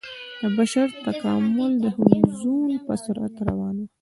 د بشر تکامل د حلزون په سرعت روان و.